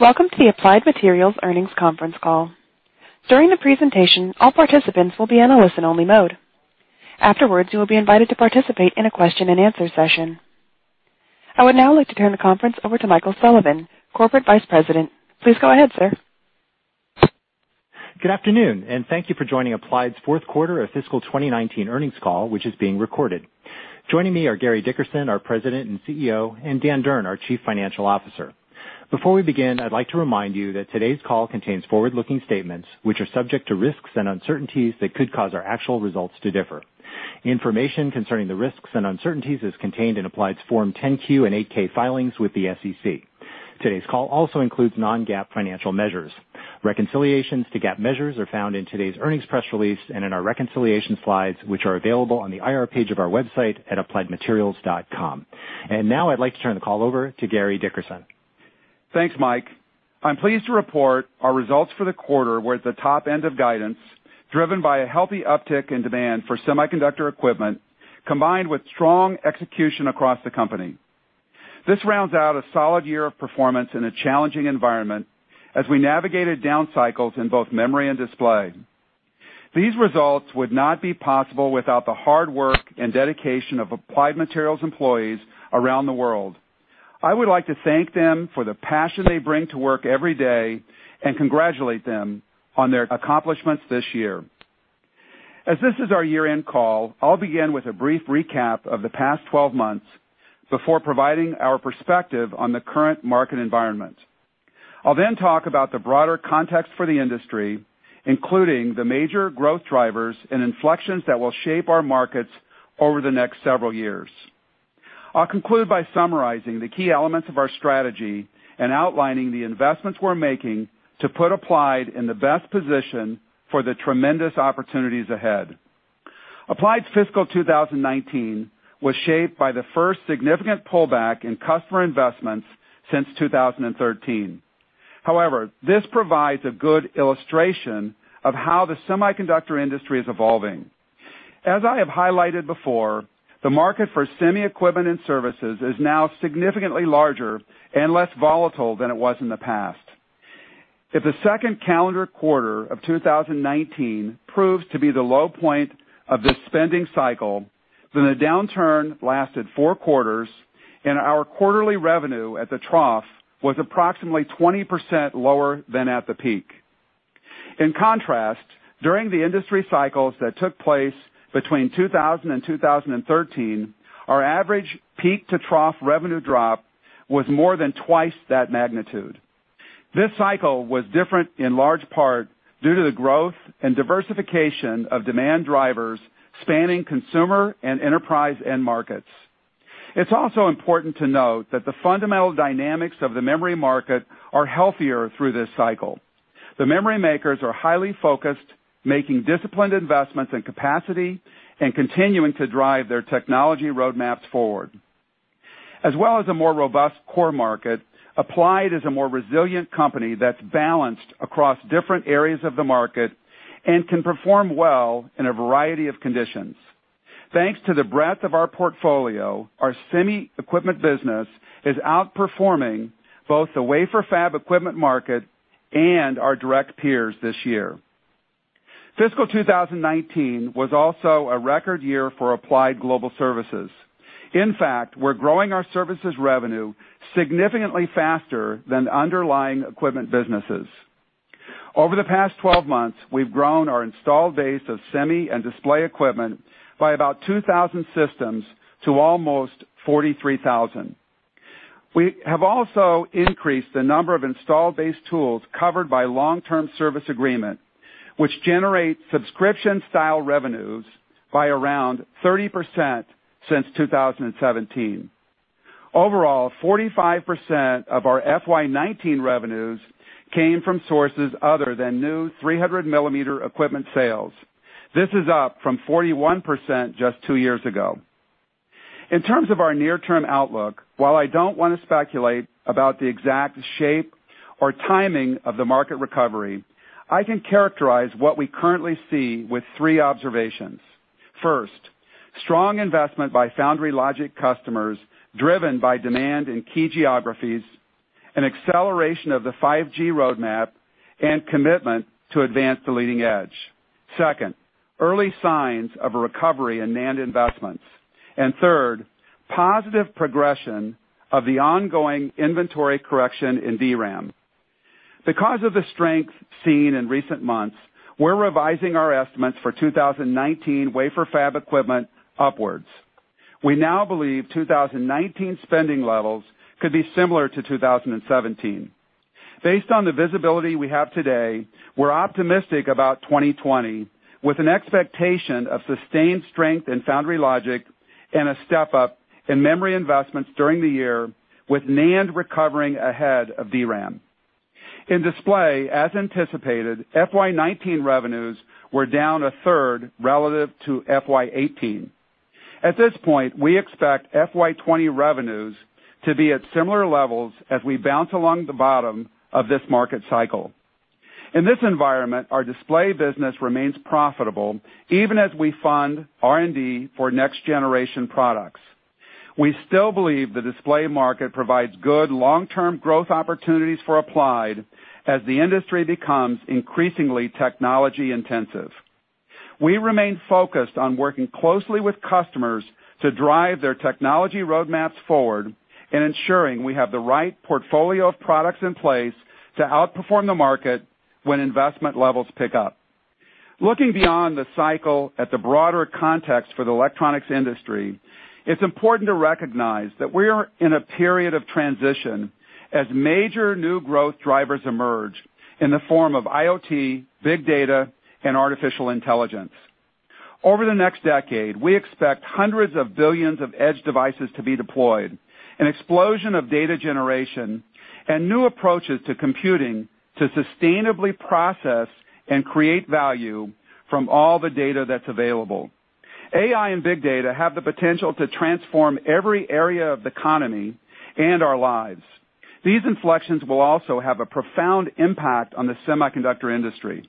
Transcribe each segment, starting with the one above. Welcome to the Applied Materials earnings conference call. During the presentation, all participants will be in a listen-only mode. Afterwards, you will be invited to participate in a question-and-answer session. I would now like to turn the conference over to Michael Sullivan, Corporate Vice President. Please go ahead, sir. Good afternoon, and thank you for joining Applied's fourth quarter of fiscal 2019 earnings call, which is being recorded. Joining me are Gary Dickerson, our President and CEO, and Dan Durn, our Chief Financial Officer. Before we begin, I'd like to remind you that today's call contains forward-looking statements, which are subject to risks and uncertainties that could cause our actual results to differ. Information concerning the risks and uncertainties is contained in Applied's Form 10-Q and 8-K filings with the SEC. Today's call also includes non-GAAP financial measures. Reconciliations to GAAP measures are found in today's earnings press release and in our reconciliation slides, which are available on the IR page of our website at appliedmaterials.com. Now I'd like to turn the call over to Gary Dickerson. Thanks, Mike. I'm pleased to report our results for the quarter were at the top end of guidance, driven by a healthy uptick in demand for semiconductor equipment, combined with strong execution across the company. This rounds out a solid year of performance in a challenging environment as we navigated down cycles in both memory and display. These results would not be possible without the hard work and dedication of Applied Materials employees around the world. I would like to thank them for the passion they bring to work every day and congratulate them on their accomplishments this year. As this is our year-end call, I'll begin with a brief recap of the past 12 months before providing our perspective on the current market environment. I'll then talk about the broader context for the industry, including the major growth drivers and inflections that will shape our markets over the next several years. I'll conclude by summarizing the key elements of our strategy and outlining the investments we're making to put Applied in the best position for the tremendous opportunities ahead. Applied's fiscal 2019 was shaped by the first significant pullback in customer investments since 2013. However, this provides a good illustration of how the semiconductor industry is evolving. As I have highlighted before, the market for semi equipment and services is now significantly larger and less volatile than it was in the past. If the second calendar quarter of 2019 proves to be the low point of this spending cycle, then the downturn lasted four quarters, and our quarterly revenue at the trough was approximately 20% lower than at the peak. In contrast, during the industry cycles that took place between 2000 and 2013, our average peak-to-trough revenue drop was more than twice that magnitude. This cycle was different in large part due to the growth and diversification of demand drivers spanning consumer and enterprise end markets. It's also important to note that the fundamental dynamics of the memory market are healthier through this cycle. The memory makers are highly focused, making disciplined investments in capacity and continuing to drive their technology roadmaps forward. As well as a more robust core market, Applied is a more resilient company that's balanced across different areas of the market and can perform well in a variety of conditions. Thanks to the breadth of our portfolio, our semi equipment business is outperforming both the wafer fab equipment market and our direct peers this year. Fiscal 2019 was also a record year for Applied Global Services. In fact, we're growing our services revenue significantly faster than underlying equipment businesses. Over the past 12 months, we've grown our installed base of semi and display equipment by about 2,000 systems to almost 43,000. We have also increased the number of installed-based tools covered by long-term service agreement, which generates subscription-style revenues by around 30% since 2017. Overall, 45% of our FY 2019 revenues came from sources other than new 300-millimeter equipment sales. This is up from 41% just two years ago. In terms of our near-term outlook, while I don't want to speculate about the exact shape or timing of the market recovery, I can characterize what we currently see with three observations. First, strong investment by foundry logic customers driven by demand in key geographies, an acceleration of the 5G roadmap, and commitment to advance the leading edge. Second, early signs of a recovery in NAND investments. Third, positive progression of the ongoing inventory correction in DRAM. Because of the strength seen in recent months, we're revising our estimates for 2019 wafer fab equipment upwards. We now believe 2019 spending levels could be similar to 2017. Based on the visibility we have today, we're optimistic about 2020, with an expectation of sustained strength in foundry logic and a step-up in memory investments during the year, with NAND recovering ahead of DRAM. In display, as anticipated, FY 2019 revenues were down a third relative to FY 2018. At this point, we expect FY 2020 revenues to be at similar levels as we bounce along the bottom of this market cycle. In this environment, our display business remains profitable even as we fund R&D for next-generation products. We still believe the display market provides good long-term growth opportunities for Applied as the industry becomes increasingly technology-intensive. We remain focused on working closely with customers to drive their technology roadmaps forward and ensuring we have the right portfolio of products in place to outperform the market when investment levels pick up. Looking beyond the cycle at the broader context for the electronics industry, it's important to recognize that we're in a period of transition as major new growth drivers emerge in the form of IoT, big data, and artificial intelligence. Over the next decade, we expect hundreds of billions of edge devices to be deployed, an explosion of data generation, and new approaches to computing to sustainably process and create value from all the data that's available. AI and big data have the potential to transform every area of the economy and our lives. These inflections will also have a profound impact on the semiconductor industry.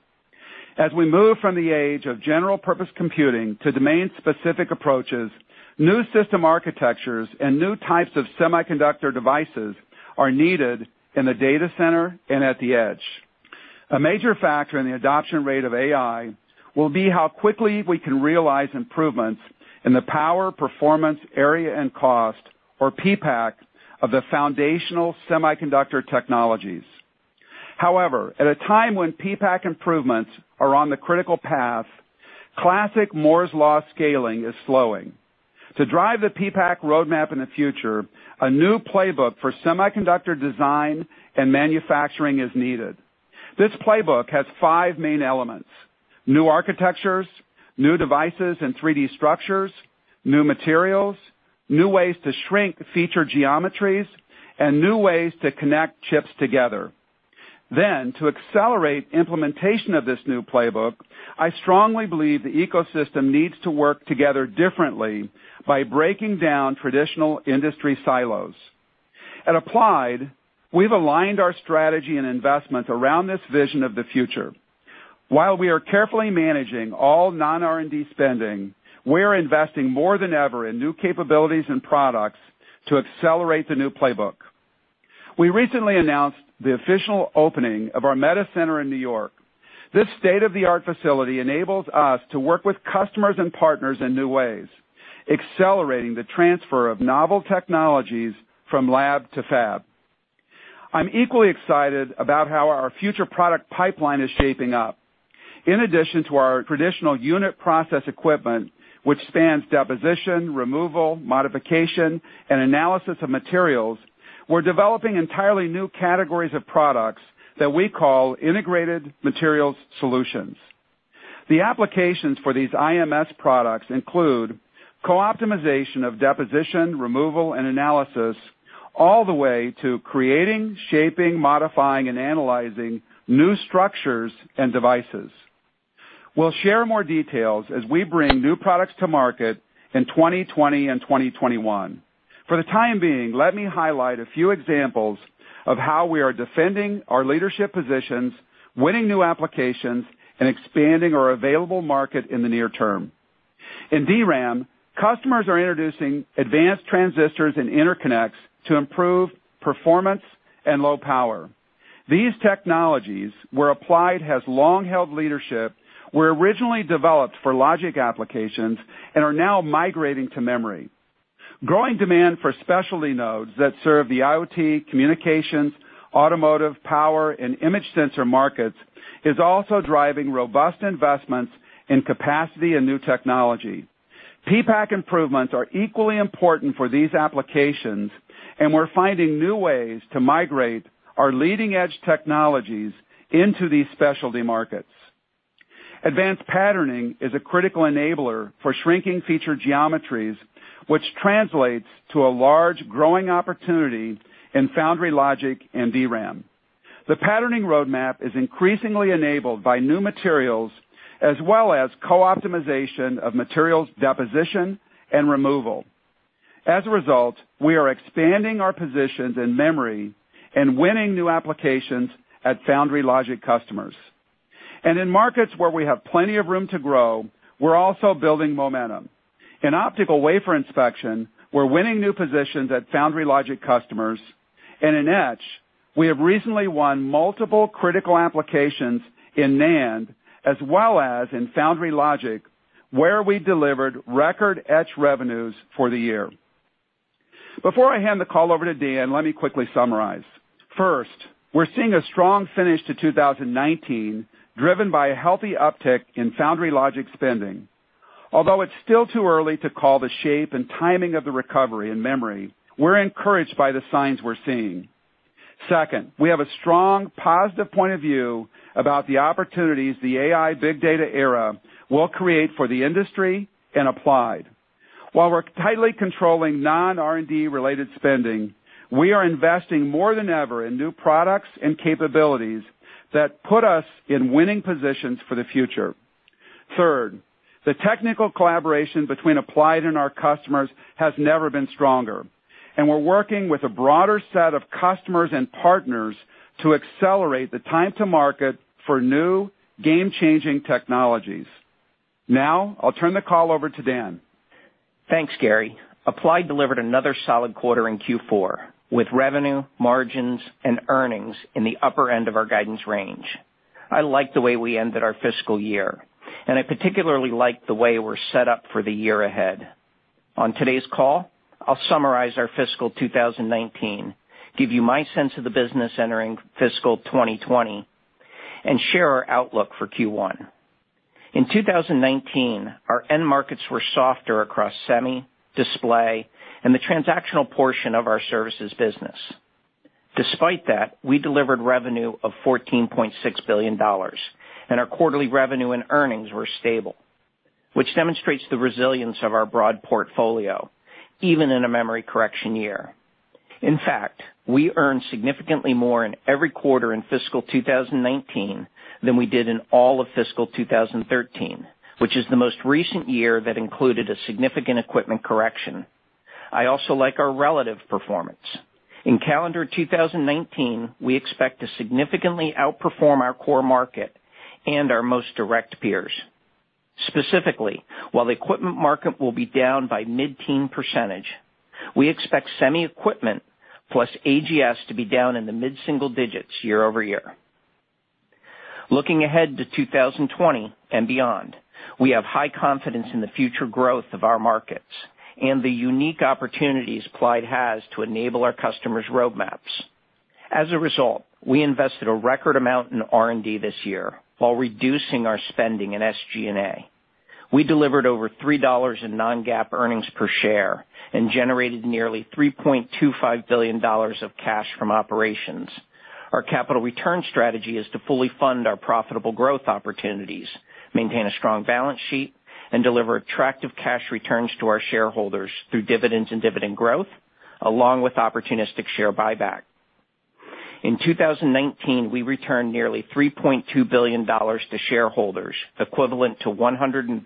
As we move from the age of general-purpose computing to domain-specific approaches, new system architectures and new types of semiconductor devices are needed in the data center and at the edge. A major factor in the adoption rate of AI will be how quickly we can realize improvements in the power, performance, area, and cost, or PPAC, of the foundational semiconductor technologies. However, at a time when PPAC improvements are on the critical path, classic Moore's law scaling is slowing. To drive the PPAC roadmap in the future, a new playbook for semiconductor design and manufacturing is needed. This playbook has five main elements: new architectures, new devices and 3D structures, new materials, new ways to shrink feature geometries, and new ways to connect chips together. To accelerate implementation of this new playbook, I strongly believe the ecosystem needs to work together differently by breaking down traditional industry silos. At Applied, we've aligned our strategy and investment around this vision of the future. While we are carefully managing all non-R&D spending, we're investing more than ever in new capabilities and products to accelerate the new playbook. We recently announced the official opening of our META Center in New York. This state-of-the-art facility enables us to work with customers and partners in new ways, accelerating the transfer of novel technologies from lab to fab. I'm equally excited about how our future product pipeline is shaping up. In addition to our traditional unit process equipment, which spans deposition, removal, modification, and analysis of materials, we're developing entirely new categories of products that we call Integrated Materials Solutions. The applications for these IMS products include co-optimization of deposition, removal, and analysis, all the way to creating, shaping, modifying, and analyzing new structures and devices. We'll share more details as we bring new products to market in 2020 and 2021. For the time being, let me highlight a few examples of how we are defending our leadership positions, winning new applications, and expanding our available market in the near term. In DRAM, customers are introducing advanced transistors and interconnects to improve performance and low power. These technologies, where Applied has long held leadership, were originally developed for logic applications and are now migrating to memory. Growing demand for specialty nodes that serve the IoT, communications, automotive, power, and image sensor markets is also driving robust investments in capacity and new technology. PPAC improvements are equally important for these applications, and we're finding new ways to migrate our leading-edge technologies into these specialty markets. Advanced patterning is a critical enabler for shrinking feature geometries, which translates to a large, growing opportunity in foundry logic and DRAM. The patterning roadmap is increasingly enabled by new materials as well as co-optimization of materials deposition and removal. As a result, we are expanding our positions in memory and winning new applications at foundry logic customers. In markets where we have plenty of room to grow, we're also building momentum. In optical wafer inspection, we're winning new positions at foundry logic customers. In etch, we have recently won multiple critical applications in NAND, as well as in foundry logic, where we delivered record etch revenues for the year. Before I hand the call over to Dan, let me quickly summarize. First, we're seeing a strong finish to 2019, driven by a healthy uptick in foundry logic spending. Although it's still too early to call the shape and timing of the recovery in memory, we're encouraged by the signs we're seeing. Second, we have a strong, positive point of view about the opportunities the AI big data era will create for the industry and Applied. While we're tightly controlling non-R&D-related spending, we are investing more than ever in new products and capabilities that put us in winning positions for the future. Third, the technical collaboration between Applied and our customers has never been stronger, and we're working with a broader set of customers and partners to accelerate the time to market for new game-changing technologies. Now, I'll turn the call over to Dan. Thanks, Gary. Applied delivered another solid quarter in Q4, with revenue, margins, and earnings in the upper end of our guidance range. I like the way we ended our fiscal year, and I particularly like the way we're set up for the year ahead. On today's call, I'll summarize our fiscal 2019, give you my sense of the business entering fiscal 2020, and share our outlook for Q1. In 2019, our end markets were softer across semi, display, and the transactional portion of our services business. Despite that, we delivered revenue of $14.6 billion, and our quarterly revenue and earnings were stable, which demonstrates the resilience of our broad portfolio, even in a memory correction year. In fact, we earned significantly more in every quarter in fiscal 2019 than we did in all of fiscal 2013, which is the most recent year that included a significant equipment correction. I also like our relative performance. In calendar 2019, we expect to significantly outperform our core market and our most direct peers. Specifically, while the equipment market will be down by mid-teen percentage, we expect semi equipment plus AGS to be down in the mid-single digits year-over-year. Looking ahead to 2020 and beyond, we have high confidence in the future growth of our markets and the unique opportunities Applied has to enable our customers' roadmaps. As a result, we invested a record amount in R&D this year while reducing our spending in SG&A. We delivered over $3 in non-GAAP earnings per share and generated nearly $3.25 billion of cash from operations. Our capital return strategy is to fully fund our profitable growth opportunities, maintain a strong balance sheet, and deliver attractive cash returns to our shareholders through dividends and dividend growth, along with opportunistic share buyback. In 2019, we returned nearly $3.2 billion to shareholders, equivalent to 113%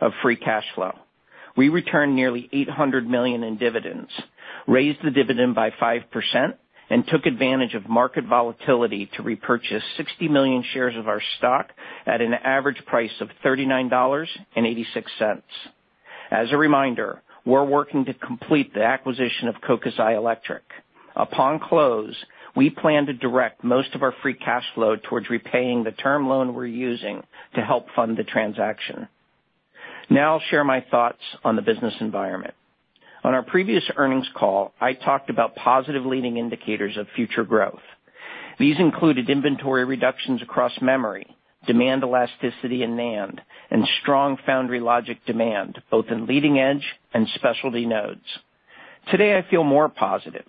of free cash flow. We returned nearly $800 million in dividends, raised the dividend by 5%, and took advantage of market volatility to repurchase 60 million shares of our stock at an average price of $39.86. As a reminder, we're working to complete the acquisition of Kokusai Electric. Upon close, we plan to direct most of our free cash flow towards repaying the term loan we're using to help fund the transaction. Now I'll share my thoughts on the business environment. On our previous earnings call, I talked about positive leading indicators of future growth. These included inventory reductions across memory, demand elasticity in NAND, and strong foundry logic demand, both in leading-edge and specialty nodes. Today, I feel more positive.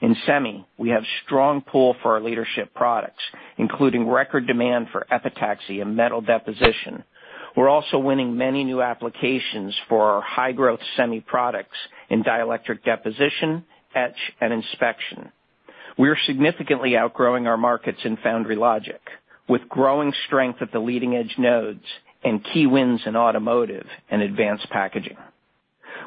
In semi, we have strong pull for our leadership products, including record demand for epitaxy and metal deposition. We're also winning many new applications for our high-growth semi products in dielectric deposition, etch, and inspection. We are significantly outgrowing our markets in foundry logic, with growing strength at the leading-edge nodes and key wins in automotive and advanced packaging.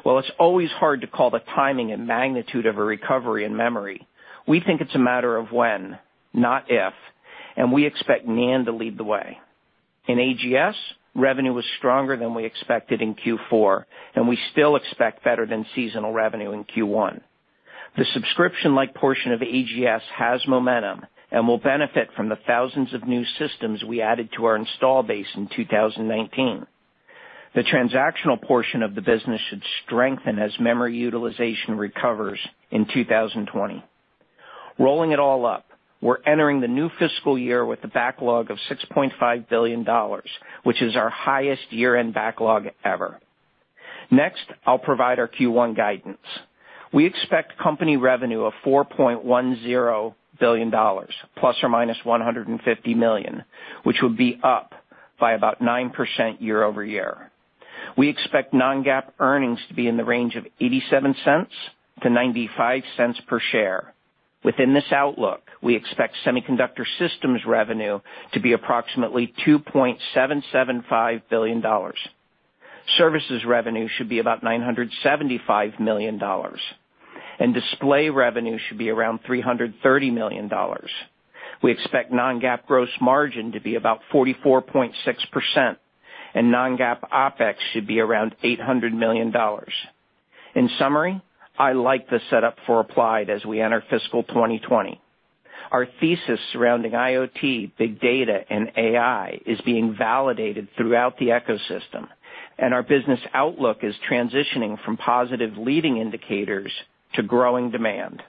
While it's always hard to call the timing and magnitude of a recovery in memory, we think it's a matter of when, not if, and we expect NAND to lead the way. In AGS, revenue was stronger than we expected in Q4, and we still expect better-than-seasonal revenue in Q1. The subscription-like portion of AGS has momentum and will benefit from the thousands of new systems we added to our install base in 2019. The transactional portion of the business should strengthen as memory utilization recovers in 2020. Rolling it all up, we're entering the new fiscal year with a backlog of $6.5 billion, which is our highest year-end backlog ever. Next, I'll provide our Q1 guidance. We expect company revenue of $4.10 billion plus or minus $150 million, which would be up by about 9% year-over-year. We expect non-GAAP earnings to be in the range of $0.87 to $0.95 per share. Within this outlook, we expect semiconductor systems revenue to be approximately $2.775 billion. Services revenue should be about $975 million, and display revenue should be around $330 million. We expect non-GAAP gross margin to be about 44.6%, and non-GAAP OpEx should be around $800 million. In summary, I like the setup for Applied as we enter fiscal 2020. Our thesis surrounding IoT, big data, and AI is being validated throughout the ecosystem. Our business outlook is transitioning from positive leading indicators to growing demand.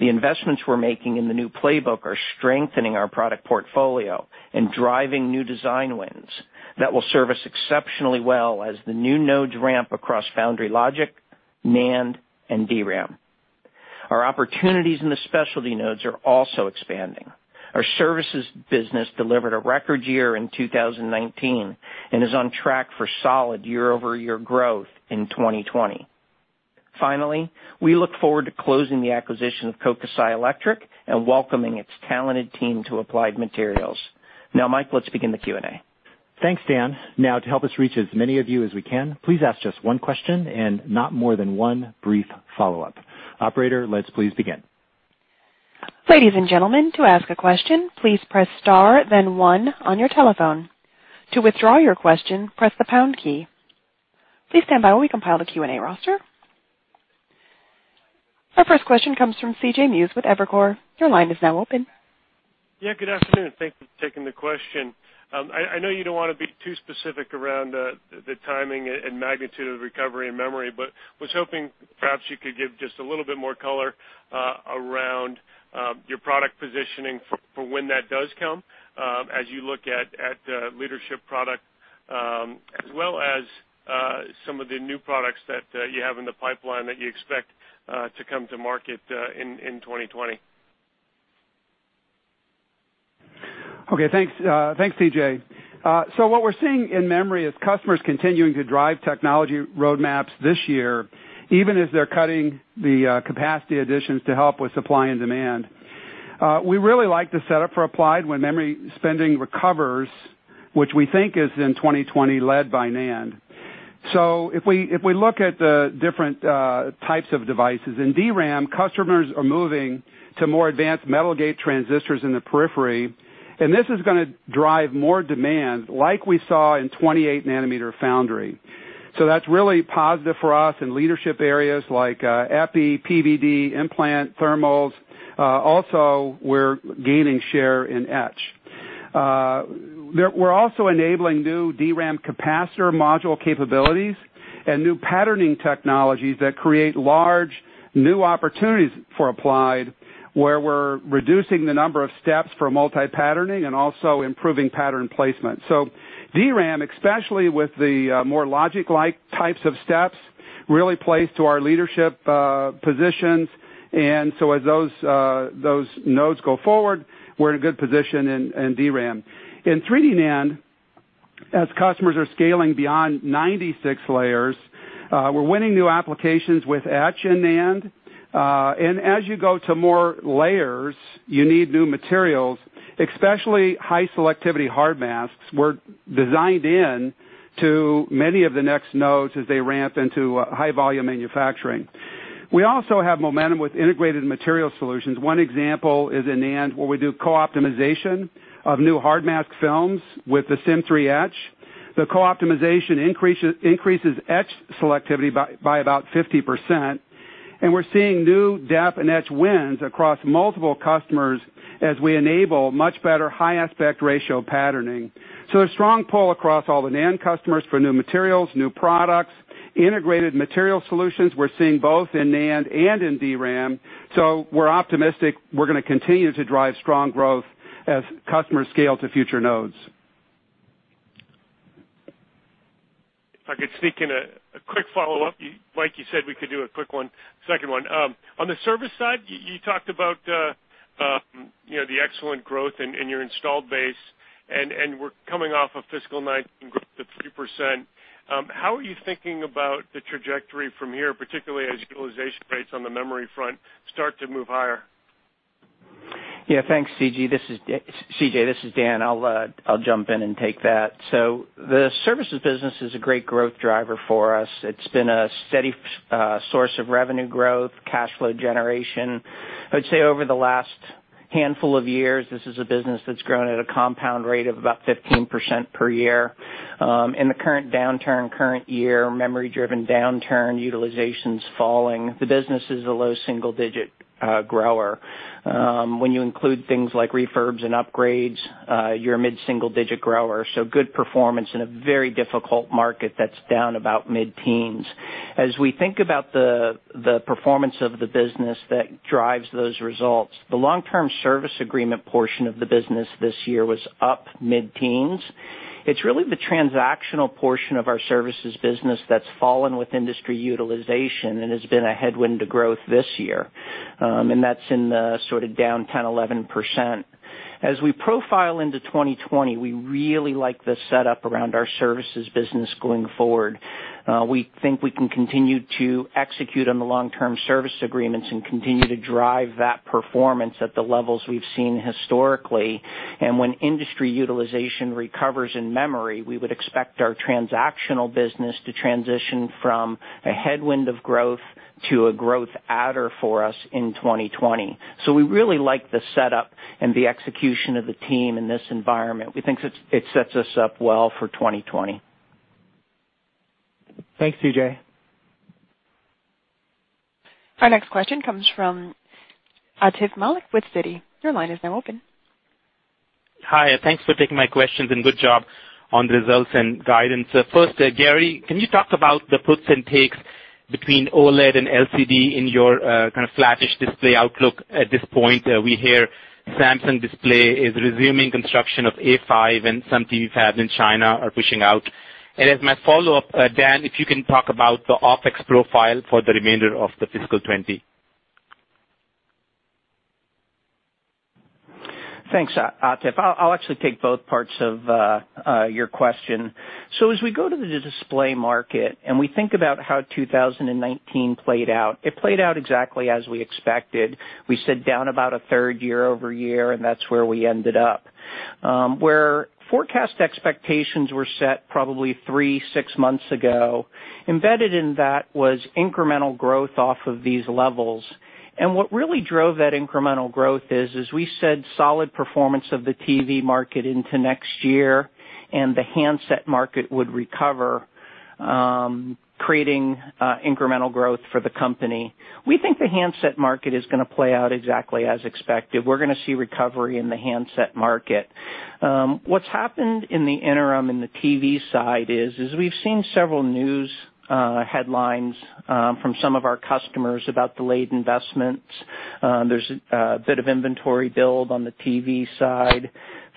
The investments we're making in the new playbook are strengthening our product portfolio and driving new design wins that will serve us exceptionally well as the new nodes ramp across foundry logic, NAND, and DRAM. Our opportunities in the specialty nodes are also expanding. Our services business delivered a record year in 2019 and is on track for solid year-over-year growth in 2020. Finally, we look forward to closing the acquisition of Kokusai Electric and welcoming its talented team to Applied Materials. Mike, let's begin the Q&A. Thanks, Dan. To help us reach as many of you as we can, please ask just one question and not more than one brief follow-up. Operator, let's please begin. Ladies and gentlemen, to ask a question, please press star then one on your telephone. To withdraw your question, press the pound key. Please stand by while we compile the Q&A roster. Our first question comes from C.J. Muse with Evercore. Your line is now open. Yeah, good afternoon. Thanks for taking the question. I know you don't want to be too specific around the timing and magnitude of recovery and memory. Was hoping perhaps you could give just a little bit more color around your product positioning for when that does come, as you look at leadership product, as well as some of the new products that you have in the pipeline that you expect to come to market in 2020. Okay, thanks, C.J. What we're seeing in memory is customers continuing to drive technology roadmaps this year, even as they're cutting the capacity additions to help with supply and demand. We really like the setup for Applied when memory spending recovers, which we think is in 2020, led by NAND. If we look at the different types of devices, in DRAM, customers are moving to more advanced metal gate transistors in the periphery, and this is going to drive more demand like we saw in 28 nanometer foundry. That's really positive for us in leadership areas like epi, PVD, implant, thermals. Also, we're gaining share in etch. We're also enabling new DRAM capacitor module capabilities and new patterning technologies that create large new opportunities for Applied, where we're reducing the number of steps for multi-patterning and also improving pattern placement. DRAM, especially with the more logic-like types of steps, really plays to our leadership positions. As those nodes go forward, we're in a good position in DRAM. In 3D NAND, as customers are scaling beyond 96 layers, we're winning new applications with etch in NAND. As you go to more layers, you need new materials, especially high selectivity hard masks were designed in to many of the next nodes as they ramp into high volume manufacturing. We also have momentum with Integrated Materials Solutions. One example is in NAND, where we do co-optimization of new hard mask films with the Sym3 etch. The co-optimization increases etch selectivity by about 50%, and we're seeing new dep and etch wins across multiple customers as we enable much better high aspect ratio patterning. A strong pull across all the NAND customers for new materials, new products, Integrated Materials Solutions we're seeing both in NAND and in DRAM. We're optimistic we're going to continue to drive strong growth as customers scale to future nodes. If I could sneak in a quick follow-up. Mike, you said we could do a quick one, second one. On the service side, you talked about the excellent growth in your installed base, we're coming off of fiscal 2019 growth of 3%. How are you thinking about the trajectory from here, particularly as utilization rates on the memory front start to move higher? Yeah, thanks, CJ. This is Dan. I'll jump in and take that. The services business is a great growth driver for us. It's been a steady source of revenue growth, cash flow generation. I would say over the last handful of years, this is a business that's grown at a compound rate of about 15% per year. In the current downturn, current year, memory-driven downturn, utilization's falling. The business is a low single-digit grower. When you include things like refurbs and upgrades, you're a mid-single digit grower. Good performance in a very difficult market that's down about mid-teens. As we think about the performance of the business that drives those results, the long-term service agreement portion of the business this year was up mid-teens. It's really the transactional portion of our services business that's fallen with industry utilization and has been a headwind to growth this year, and that's in the sort of down 10%, 11%. As we profile into 2020, we really like the setup around our services business going forward. We think we can continue to execute on the long-term service agreements and continue to drive that performance at the levels we've seen historically. When industry utilization recovers in memory, we would expect our transactional business to transition from a headwind of growth to a growth adder for us in 2020. We really like the setup and the execution of the team in this environment. We think it sets us up well for 2020. Thanks, CJ. Our next question comes from Atif Malik with Citi. Your line is now open. Hi, thanks for taking my questions and good job on the results and guidance. First, Gary, can you talk about the puts and takes between OLED and LCD in your kind of flattish display outlook at this point? We hear Samsung Display is resuming construction of A5 and some TVs hub in China are pushing out. As my follow-up, Dan, if you can talk about the OpEx profile for the remainder of the fiscal 2020. Thanks, Atif. I'll actually take both parts of your question. As we go to the display market, and we think about how 2019 played out, it played out exactly as we expected. We said down about a third year-over-year, and that's where we ended up. Where forecast expectations were set probably three, six months ago, embedded in that was incremental growth off of these levels. What really drove that incremental growth is, as we said, solid performance of the TV market into next year, and the handset market would recover, creating incremental growth for the company. We think the handset market is going to play out exactly as expected. We're going to see recovery in the handset market. What's happened in the interim in the TV side is, we've seen several news headlines from some of our customers about delayed investments. There's a bit of inventory build on the TV side.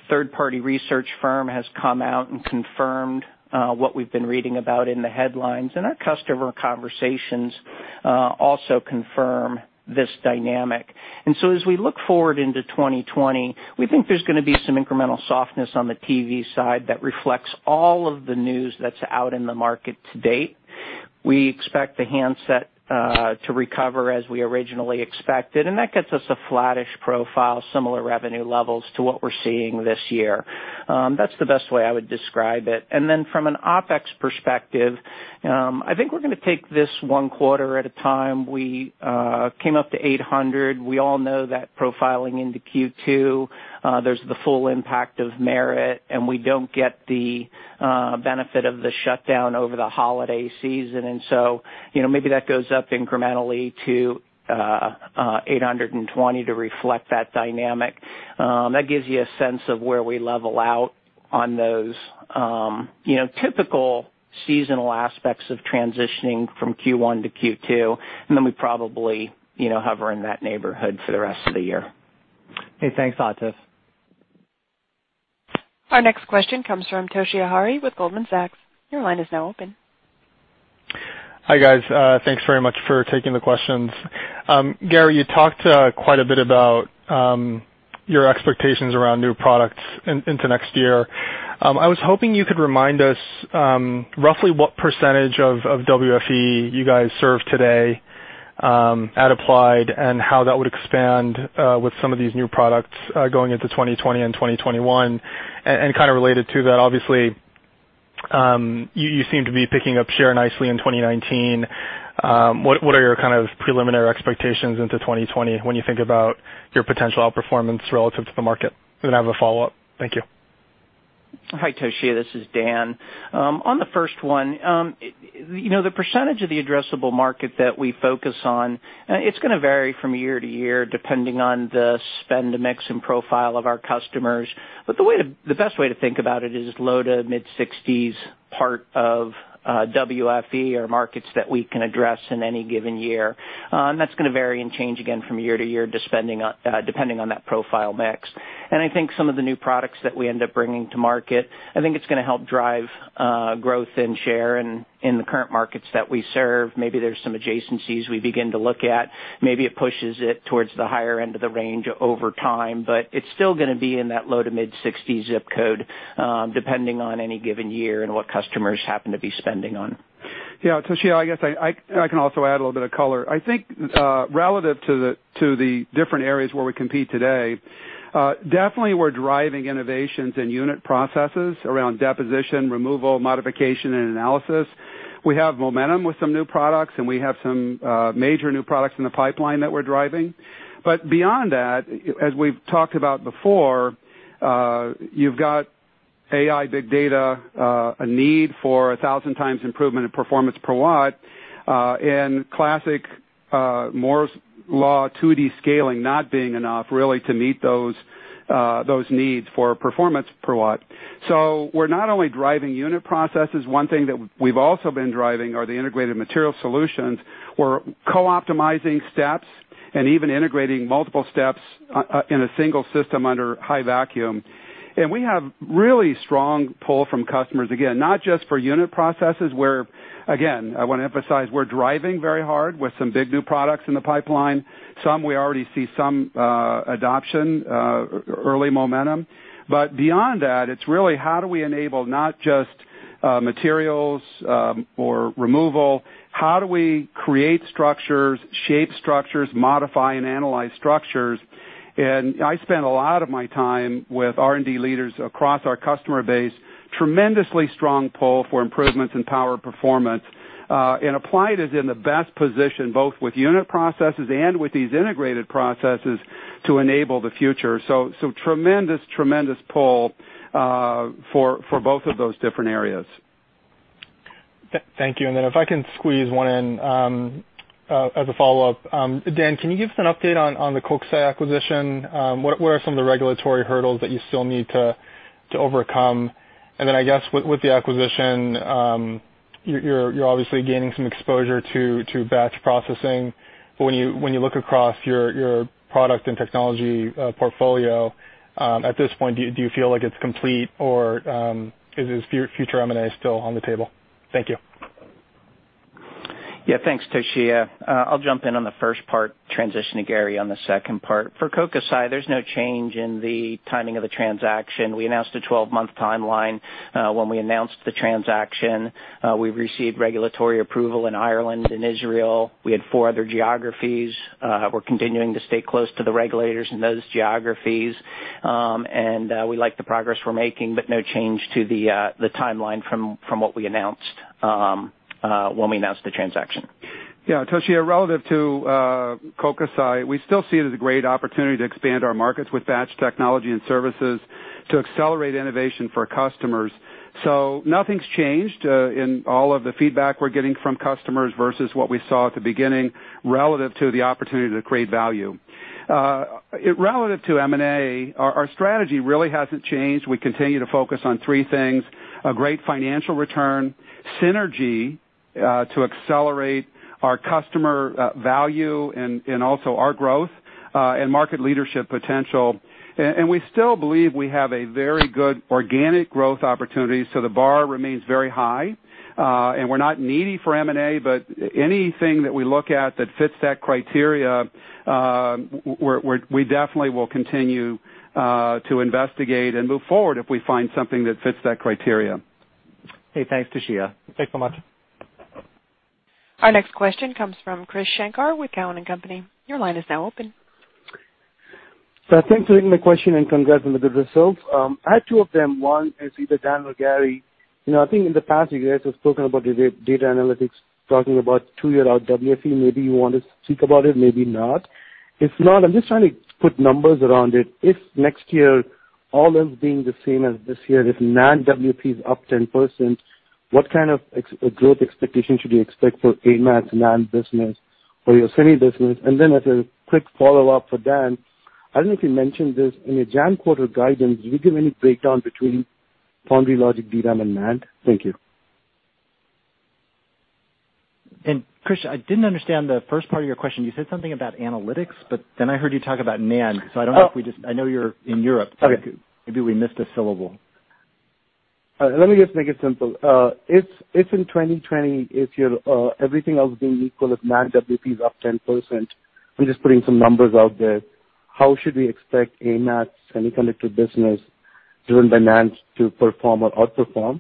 Third-party research firm has come out and confirmed what we've been reading about in the headlines. Our customer conversations also confirm this dynamic. As we look forward into 2020, we think there's going to be some incremental softness on the TV side that reflects all of the news that's out in the market to date. We expect the handset to recover as we originally expected. That gets us a flattish profile, similar revenue levels to what we're seeing this year. That's the best way I would describe it. From an OPEX perspective, I think we're going to take this one quarter at a time. We came up to 800. We all know that profiling into Q2, there's the full impact of merit, and we don't get the benefit of the shutdown over the holiday season. Maybe that goes up incrementally to 820 to reflect that dynamic. That gives you a sense of where we level out on those typical seasonal aspects of transitioning from Q1 to Q2, then we probably hover in that neighborhood for the rest of the year. Okay, thanks, Atif. Our next question comes from Toshiya Hari with Goldman Sachs. Your line is now open. Hi, guys. Thanks very much for taking the questions. Gary, you talked quite a bit about your expectations around new products into next year. I was hoping you could remind us roughly what percentage of WFE you guys serve today at Applied and how that would expand with some of these new products going into 2020 and 2021. Kind of related to that, obviously, you seem to be picking up share nicely in 2019. What are your kind of preliminary expectations into 2020 when you think about your potential outperformance relative to the market? I have a follow-up. Thank you. Hi, Toshiya. This is Dan. On the first one, the percentage of the addressable market that we focus on, it's going to vary from year to year depending on the spend mix and profile of our customers. The best way to think about it is low to mid-60s part of WFE or markets that we can address in any given year. That's going to vary and change again from year to year, depending on that profile mix. I think some of the new products that we end up bringing to market, I think it's going to help drive growth and share in the current markets that we serve. Maybe there's some adjacencies we begin to look at. Maybe it pushes it towards the higher end of the range over time, but it's still going to be in that low to mid-60s ZIP code, depending on any given year and what customers happen to be spending on. Toshiya, I guess I can also add a little bit of color. I think relative to the different areas where we compete today, definitely we're driving innovations in unit processes around deposition, removal, modification, and analysis. We have momentum with some new products, and we have some major new products in the pipeline that we're driving. Beyond that, as we've talked about before, you've got AI, big data, a need for 1,000 times improvement in performance per watt, and classic Moore's law 2D scaling not being enough, really, to meet those needs for performance per watt. We're not only driving unit processes, one thing that we've also been driving are the Integrated Materials Solutions. We're co-optimizing steps and even integrating multiple steps in a single system under high vacuum. We have really strong pull from customers, again, not just for unit processes, where, again, I want to emphasize we're driving very hard with some big new products in the pipeline. Some we already see some adoption, early momentum. Beyond that, it's really how do we enable not just materials or removal, how do we create structures, shape structures, modify, and analyze structures? I spend a lot of my time with R&D leaders across our customer base. Tremendously strong pull for improvements in power performance. Applied is in the best position, both with unit processes and with these integrated processes, to enable the future. Tremendous pull for both of those different areas. Thank you. If I can squeeze one in as a follow-up. Dan, can you give us an update on the Kokusai acquisition? What are some of the regulatory hurdles that you still need to overcome? I guess with the acquisition, you're obviously gaining some exposure to batch processing. When you look across your product and technology portfolio, at this point, do you feel like it's complete, or is future M&A still on the table? Thank you. Thanks, Toshiya. I'll jump in on the first part, transitioning to Gary on the second part. For Kokusai, there's no change in the timing of the transaction. We announced a 12-month timeline when we announced the transaction. We've received regulatory approval in Ireland and Israel. We had four other geographies. We're continuing to stay close to the regulators in those geographies. We like the progress we're making, no change to the timeline from what we announced when we announced the transaction. Yeah, Toshiya, relative to Kokusai, we still see it as a great opportunity to expand our markets with batch technology and services to accelerate innovation for customers. Nothing's changed in all of the feedback we're getting from customers versus what we saw at the beginning relative to the opportunity to create value. Relative to M&A, our strategy really hasn't changed. We continue to focus on three things, a great financial return, synergy to accelerate our customer value and also our growth, and market leadership potential. We still believe we have a very good organic growth opportunity, so the bar remains very high. We're not needy for M&A, but anything that we look at that fits that criteria, we definitely will continue to investigate and move forward if we find something that fits that criteria. Okay, thanks, Toshiya. Thanks so much. Our next question comes from Krish Sankar with Cowen and Company. Your line is now open. Thanks for taking my question, and congrats on the good results. I have two of them. One is either Dan or Gary. I think in the past, you guys have spoken about your data analytics, talking about two-year out WFE. Maybe you want to speak about it, maybe not. If not, I'm just trying to put numbers around it. If next year, all else being the same as this year, if NAND WFE is up 10%, what kind of growth expectation should we expect for AMAT's NAND business or your semi business? As a quick follow-up for Dan, I don't know if you mentioned this in your January quarter guidance, do you give any breakdown between Foundry logic, DRAM, and NAND? Thank you. Krish, I didn't understand the first part of your question. You said something about analytics, but then I heard you talk about NAND, so I don't know. I know you're in Europe. Okay. Maybe we missed a syllable. Let me just make it simple. If in 2020, if everything else being equal, if NAND WFE is up 10%, I'm just putting some numbers out there, how should we expect AMAT's semiconductor business driven by NAND to perform or outperform?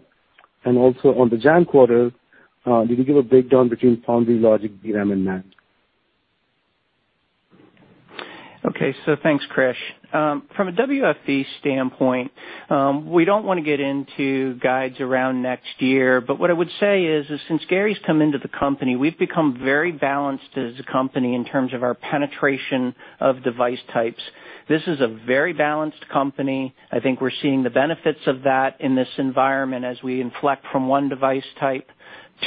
Also on the January quarter, did you give a breakdown between Foundry logic, DRAM, and NAND? Okay. Thanks, Krish. From a WFE standpoint, we don't want to get into guides around next year, but what I would say is, since Gary's come into the company, we've become very balanced as a company in terms of our penetration of device types. This is a very balanced company. I think we're seeing the benefits of that in this environment as we inflect from one device type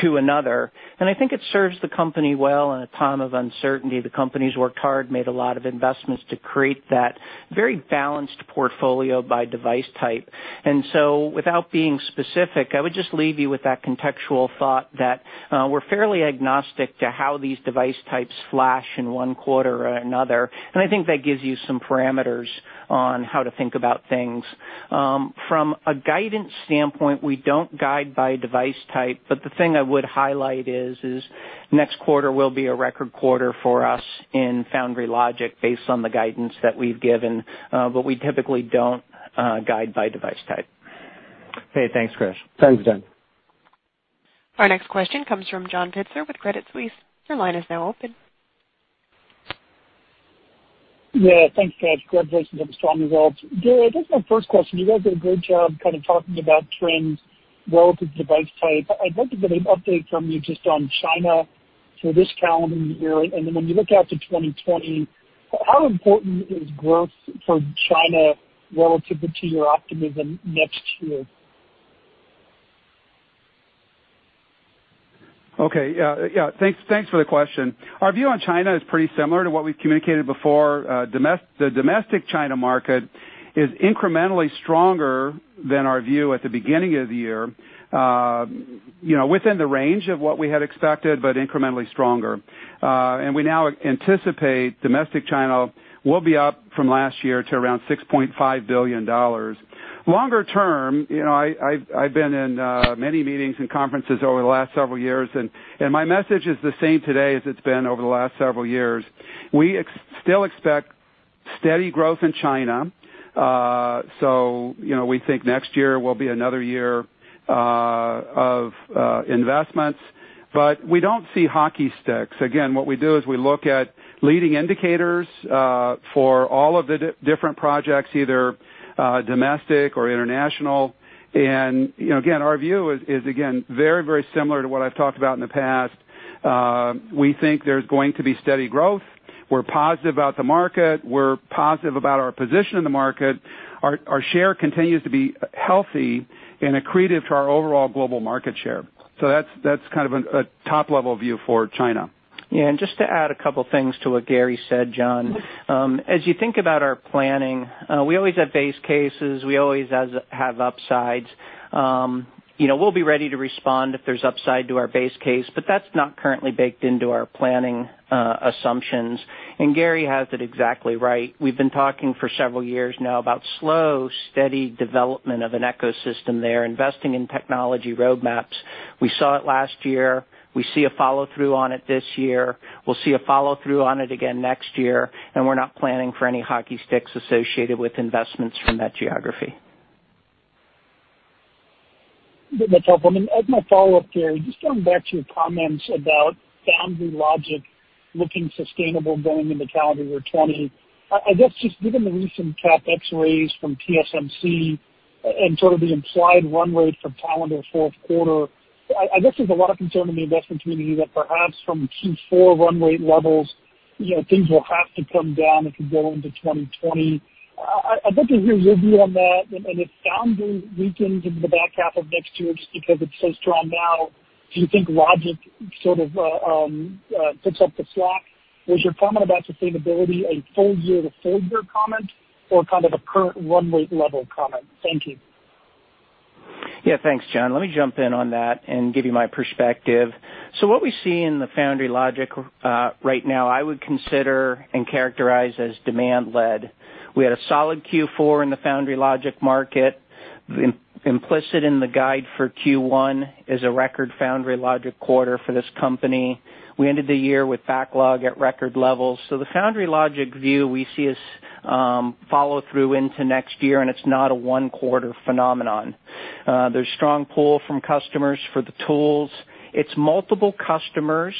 to another. I think it serves the company well in a time of uncertainty. The company's worked hard, made a lot of investments to create that very balanced portfolio by device type. Without being specific, I would just leave you with that contextual thought that we're fairly agnostic to how these device types flash in one quarter or another, and I think that gives you some parameters on how to think about things. From a guidance standpoint, we don't guide by device type, but the thing I would highlight is, next quarter will be a record quarter for us in Foundry logic based on the guidance that we've given, but we typically don't guide by device type. Okay, thanks, Krish. Thanks, Dan. Our next question comes from John Pitzer with Credit Suisse. Your line is now open. Yeah, thanks, guys. Congratulations on the strong results. Gary, I think my first question, you guys did a great job kind of talking about trends relative to device type. I'd like to get an update from you just on China for this calendar year, and then when you look out to 2020, how important is growth for China relative to your optimism next year? Okay. Yeah. Thanks for the question. Our view on China is pretty similar to what we've communicated before. The domestic China market is incrementally stronger than our view at the beginning of the year. Within the range of what we had expected, incrementally stronger. We now anticipate domestic China will be up from last year to around $6.5 billion. Longer term, I've been in many meetings and conferences over the last several years, my message is the same today as it's been over the last several years. We think next year will be another year of investments, we don't see hockey sticks. Again, what we do is we look at leading indicators for all of the different projects, either domestic or international. Again, our view is, again, very, very similar to what I've talked about in the past. We think there's going to be steady growth. We're positive about the market. We're positive about our position in the market. Our share continues to be healthy and accretive to our overall global market share. That's kind of a top-level view for China. Just to add a couple things to what Gary said, John. As you think about our planning, we always have base cases, we always have upsides. We'll be ready to respond if there's upside to our base case. That's not currently baked into our planning assumptions. Gary has it exactly right. We've been talking for several years now about slow, steady development of an ecosystem there, investing in technology roadmaps. We saw it last year. We see a follow-through on it this year. We'll see a follow-through on it again next year, we're not planning for any hockey sticks associated with investments from that geography. That's helpful. As my follow-up there, just going back to your comments about foundry logic looking sustainable going into calendar year 2020, I guess just given the recent CapEx raise from TSMC and sort of the implied run rate for calendar fourth quarter, I guess there's a lot of concern in the investment community that perhaps from Q4 run rate levels, things will have to come down as we go into 2020. I'd like to hear your view on that. If foundry weakens into the back half of next year just because it's so strong now, do you think logic sort of picks up the slack? Was your comment about sustainability a full year to full year comment, or kind of a current run rate level comment? Thank you. Yeah, thanks, John. Let me jump in on that and give you my perspective. What we see in the foundry logic right now, I would consider and characterize as demand led. We had a solid Q4 in the foundry logic market. Implicit in the guide for Q1 is a record foundry logic quarter for this company. We ended the year with backlog at record levels. The foundry logic view we see is follow through into next year, and it's not a one-quarter phenomenon. There's strong pull from customers for the tools. It's multiple customers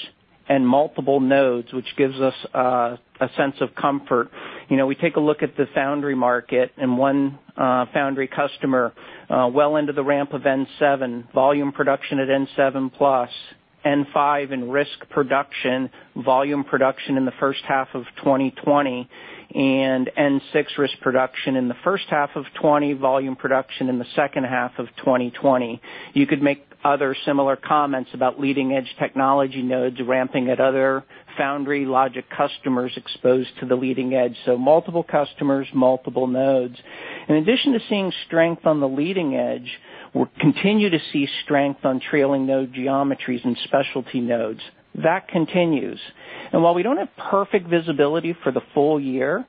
and multiple nodes, which gives us a sense of comfort. We take a look at the foundry market and one foundry customer well into the ramp of N7 volume production at N7+, N5 in risk production, volume production in the first half of 2020, and N6 risk production in the first half of 2020, volume production in the second half of 2020. You could make other similar comments about leading-edge technology nodes ramping at other foundry logic customers exposed to the leading edge. Multiple customers, multiple nodes. In addition to seeing strength on the leading edge, we continue to see strength on trailing node geometries and specialty nodes. That continues. While we don't have perfect visibility for the full year,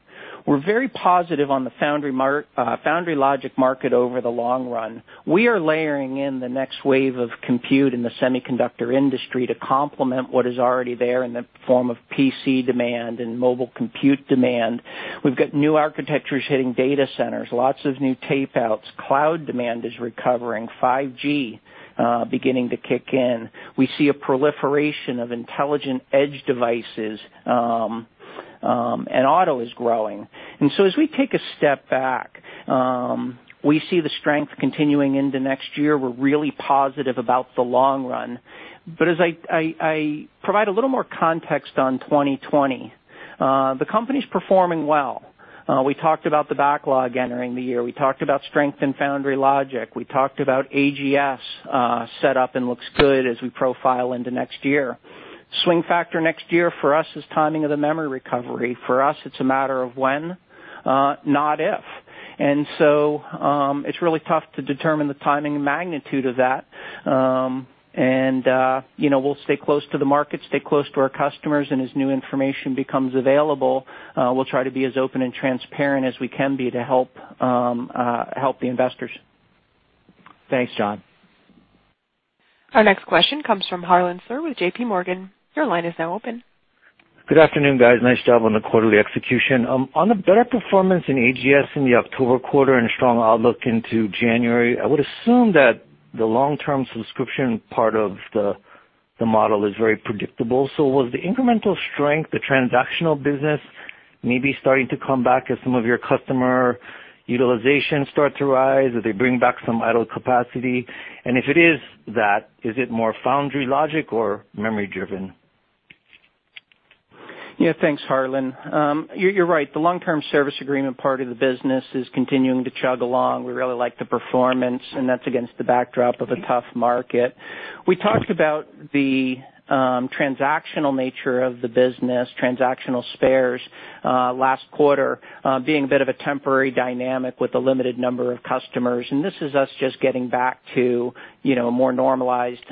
we're very positive on the foundry logic market over the long run. We are layering in the next wave of compute in the semiconductor industry to complement what is already there in the form of PC demand and mobile compute demand. We've got new architectures hitting data centers, lots of new tape outs. Cloud demand is recovering, 5G beginning to kick in. We see a proliferation of intelligent edge devices, auto is growing. As we take a step back, we see the strength continuing into next year. We're really positive about the long run. As I provide a little more context on 2020, the company's performing well. We talked about the backlog entering the year. We talked about strength in foundry logic. We talked about AGS set up and looks good as we profile into next year. Swing factor next year for us is timing of the memory recovery. For us, it's a matter of when, not if. It's really tough to determine the timing and magnitude of that. We'll stay close to the market, stay close to our customers, and as new information becomes available, we'll try to be as open and transparent as we can be to help the investors. Thanks, John. Our next question comes from Harlan Sur with JPMorgan. Your line is now open. Good afternoon, guys. Nice job on the quarterly execution. On the better performance in AGS in the October quarter and strong outlook into January, I would assume that the long-term subscription part of the model is very predictable. Was the incremental strength, the transactional business, maybe starting to come back as some of your customer utilization starts to rise? Do they bring back some idle capacity? If it is that, is it more foundry logic or memory-driven? Yeah, thanks, Harlan. You're right. The long-term service agreement part of the business is continuing to chug along. We really like the performance, and that's against the backdrop of a tough market. We talked about the transactional nature of the business, transactional spares, last quarter, being a bit of a temporary dynamic with a limited number of customers, and this is us just getting back to a more normalized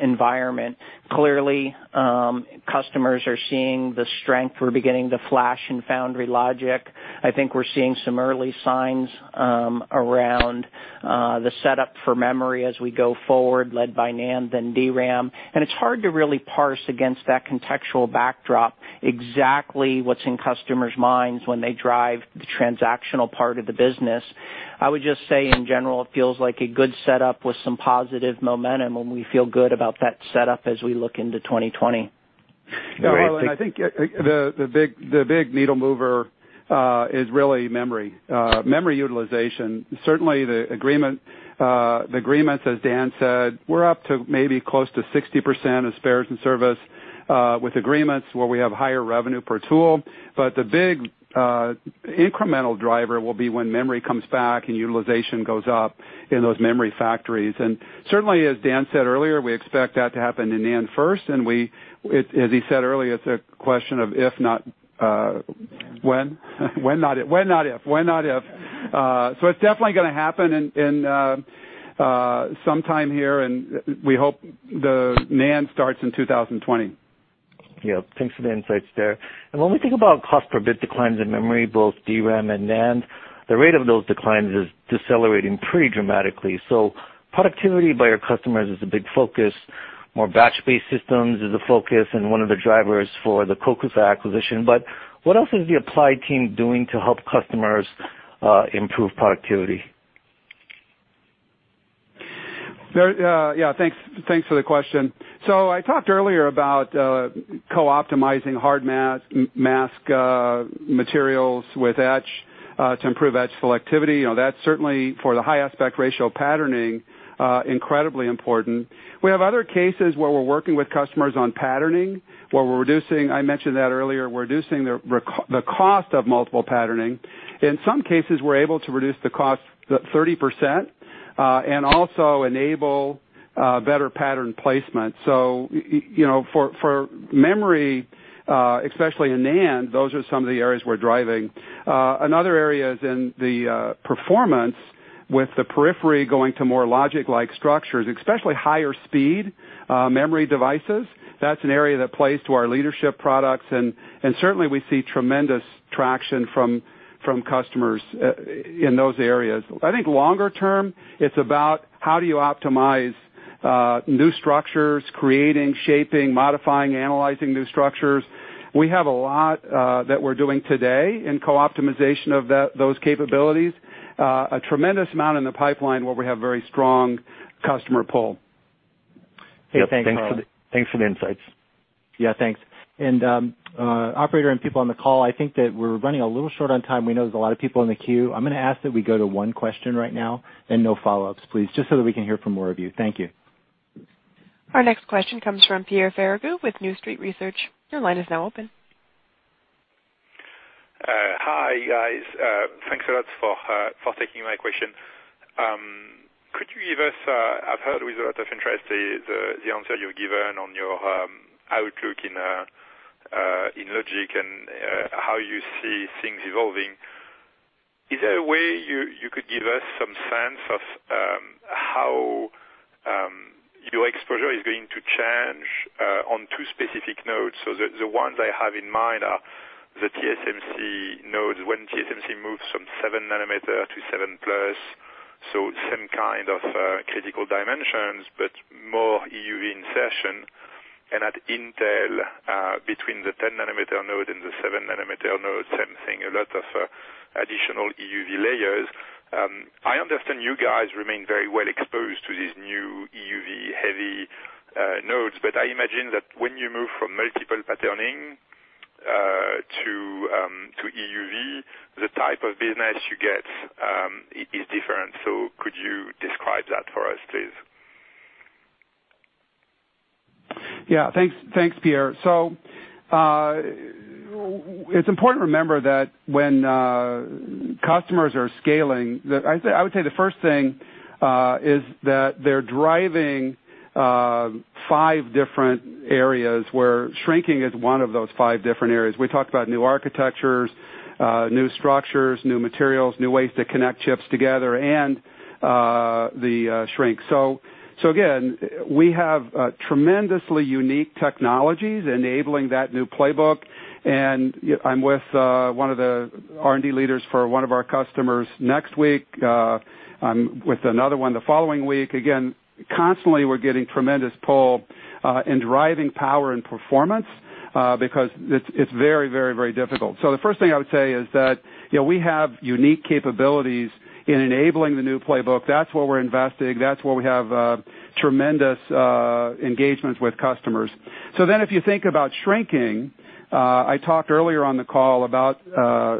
environment. Clearly, customers are seeing the strength we're beginning to flash in foundry logic. I think we're seeing some early signs around the setup for memory as we go forward, led by NAND, then DRAM. It's hard to really parse against that contextual backdrop exactly what's in customers' minds when they drive the transactional part of the business. I would just say in general, it feels like a good setup with some positive momentum, and we feel good about that setup as we look into 2020. Great, thank you. Harlan, I think the big needle mover is really memory. Memory utilization. The agreements, as Dan said, we're up to maybe close to 60% of spares in service, with agreements where we have higher revenue per tool. The big incremental driver will be when memory comes back and utilization goes up in those memory factories. As Dan said earlier, we expect that to happen in NAND first, as he said earlier, it's a question of if not when not if. It's definitely going to happen in sometime here, we hope the NAND starts in 2020. Yeah. Thanks for the insights there. When we think about cost per bit declines in memory, both DRAM and NAND, the rate of those declines is decelerating pretty dramatically. Productivity by our customers is a big focus. More batch-based systems is a focus and one of the drivers for the Kokusai acquisition. What else is the Applied team doing to help customers improve productivity? Thanks for the question. I talked earlier about co-optimizing hard mask materials with etch to improve etch selectivity. That's certainly, for the high aspect ratio patterning, incredibly important. We have other cases where we're working with customers on patterning, where we're reducing the cost of multi-patterning. In some cases, we're able to reduce the cost 30% and also enable better pattern placement. For memory, especially in NAND, those are some of the areas we're driving. Another area is in the performance with the periphery going to more logic-like structures, especially higher speed memory devices. That's an area that plays to our leadership products, certainly we see tremendous traction from customers in those areas. I think longer-term, it's about how do you optimize new structures, creating, shaping, modifying, analyzing new structures. We have a lot that we're doing today in co-optimization of those capabilities. A tremendous amount in the pipeline where we have very strong customer pull. Thanks for the insights. Yeah, thanks. Operator and people on the call, I think that we're running a little short on time. We know there's a lot of people in the queue. I'm going to ask that we go to one question right now and no follow-ups, please, just so that we can hear from more of you. Thank you. Our next question comes from Pierre Ferragu with New Street Research. Your line is now open. Hi, guys. Thanks a lot for taking my question. I've heard with a lot of interest, the answer you've given on your outlook in logic and how you see things evolving. Is there a way you could give us some sense of how your exposure is going to change on two specific nodes? The ones I have in mind are the TSMC nodes, when TSMC moves from seven nanometer to 7+, same kind of critical dimensions, but more EUV insertion, and at Intel, between the 10 nanometer node and the seven nanometer node, same thing, a lot of additional EUV layers. I understand you guys remain very well exposed to these new EUV-heavy nodes, but I imagine that when you move from multi-patterning to EUV, the type of business you get is different. Could you describe that for us, please? Yeah. Thanks, Pierre. It's important to remember that when customers are scaling, I would say the first thing is that they're driving 5 different areas, where shrinking is one of those 5 different areas. We talked about new architectures, new structures, new materials, new ways to connect chips together, and the shrink. Again, we have tremendously unique technologies enabling that new playbook, and I'm with one of the R&D leaders for one of our customers next week. I'm with another one the following week. Again, constantly, we're getting tremendous pull in driving power and performance, because it's very difficult. The first thing I would say is that, we have unique capabilities in enabling the new playbook. That's where we're investing. That's where we have tremendous engagements with customers. If you think about shrinking, I talked earlier on the call about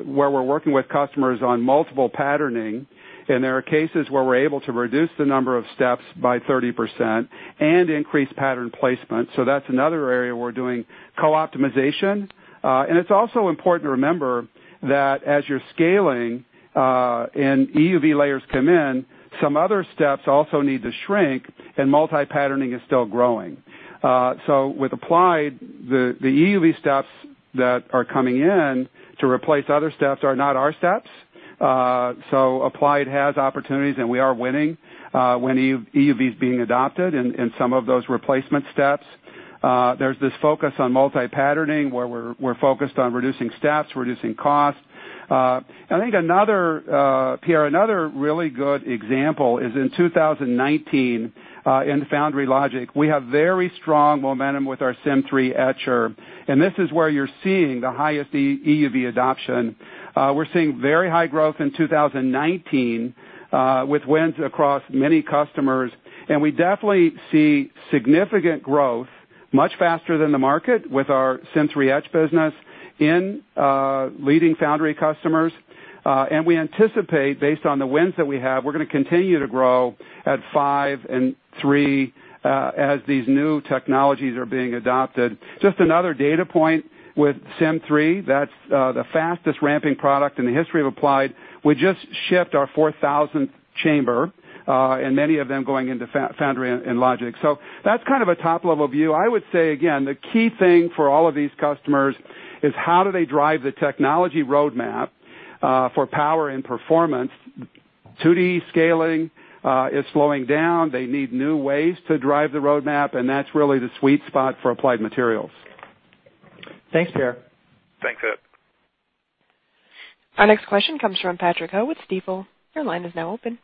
where we're working with customers on multiple patterning, and there are cases where we're able to reduce the number of steps by 30% and increase pattern placement. That's another area we're doing co-optimization. It's also important to remember that as you're scaling, and EUV layers come in, some other steps also need to shrink, and multi-patterning is still growing. With Applied, the EUV steps that are coming in to replace other steps are not our steps. Applied has opportunities, and we are winning when EUV is being adopted in some of those replacement steps. There's this focus on multi-patterning, where we're focused on reducing steps, reducing costs. I think, Pierre, another really good example is in 2019, in foundry logic, we have very strong momentum with our Sym3 etcher. This is where you're seeing the highest EUV adoption. We're seeing very high growth in 2019, with wins across many customers. We definitely see significant growth much faster than the market with our Sym3 etch business in leading foundry customers. We anticipate, based on the wins that we have, we're going to continue to grow at five and three, as these new technologies are being adopted. Just another data point with Sym3, that's the fastest ramping product in the history of Applied. We just shipped our 4,000th chamber. Many of them going into foundry and logic. That's kind of a top-level view. I would say, again, the key thing for all of these customers is how do they drive the technology roadmap, for power and performance 2D scaling is slowing down. They need new ways to drive the roadmap, and that's really the sweet spot for Applied Materials. Thanks, Gary. Thanks, Pierre. Our next question comes from Patrick Ho with Stifel. Your line is now open.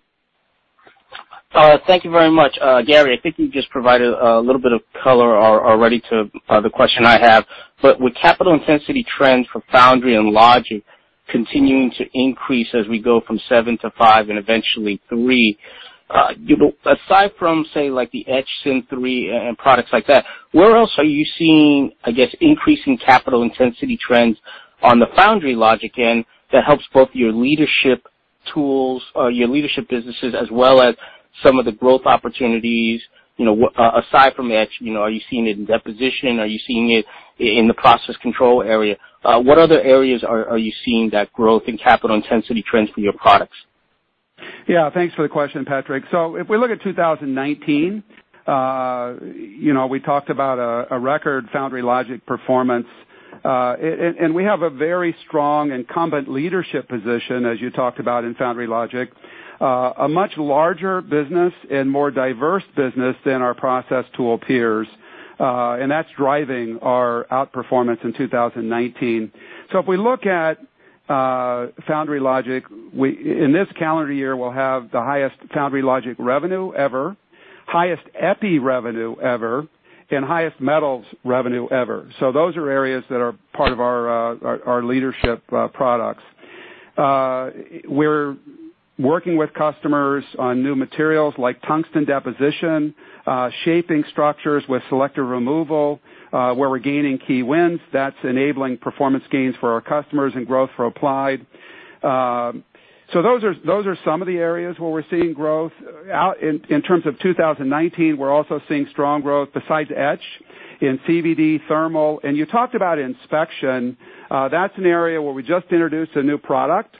Thank you very much. Gary, I think you just provided a little bit of color already to the question I have. With capital intensity trends for Foundry and Logic continuing to increase as we go from 7 to 5 and eventually 3, aside from, say, like the Etch Sym3 and products like that, where else are you seeing, I guess, increasing capital intensity trends on the Foundry logic end that helps both your leadership tools or your leadership businesses as well as some of the growth opportunities, aside from etch, are you seeing it in deposition? Are you seeing it in the process control area? What other areas are you seeing that growth in capital intensity trends for your products? Yeah. Thanks for the question, Patrick. If we look at 2019, we talked about a record Foundry logic performance. We have a very strong incumbent leadership position, as you talked about in Foundry logic, a much larger business and more diverse business than our process tool peers, and that's driving our outperformance in 2019. If we look at Foundry logic, in this calendar year, we'll have the highest Foundry logic revenue ever, highest epi revenue ever, and highest metals revenue ever. Those are areas that are part of our leadership products. We're working with customers on new materials like tungsten deposition, shaping structures with selective removal, where we're gaining key wins that's enabling performance gains for our customers and growth for Applied. Those are some of the areas where we're seeing growth. In terms of 2019, we're also seeing strong growth besides etch in CVD, thermal, and you talked about inspection. That's an area where we just introduced a new product.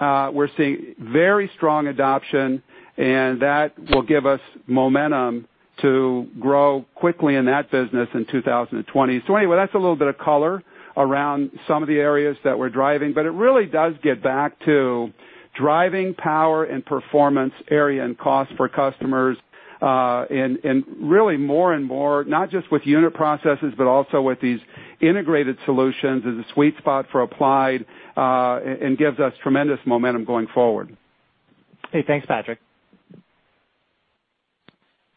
We're seeing very strong adoption, and that will give us momentum to grow quickly in that business in 2020. Anyway, that's a little bit of color around some of the areas that we're driving, but it really does get back to driving power and performance area and cost for customers, and really more and more, not just with unit processes, but also with these integrated solutions is a sweet spot for Applied, and gives us tremendous momentum going forward. Okay, thanks, Patrick.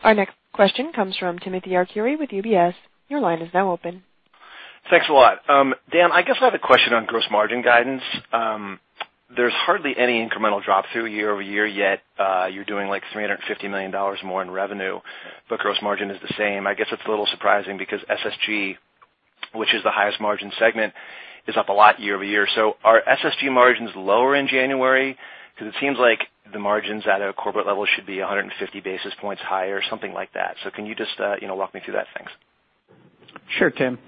Our next question comes from Timothy Arcuri with UBS. Your line is now open. Thanks a lot. Dan, I guess I have a question on gross margin guidance. There's hardly any incremental drop through year-over-year, yet, you're doing like $350 million more in revenue, but gross margin is the same. I guess it's a little surprising because SSG, which is the highest margin segment, is up a lot year-over-year. Are SSG margins lower in January? Because it seems like the margins at a corporate level should be 150 basis points higher, something like that. Can you just walk me through that? Thanks. Sure, Tim.